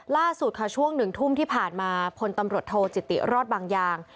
ล่าสุดค่ะช่วง๑ทุ่มที่ผ่านมาพลตำรวจโทจิติรอดบางยาง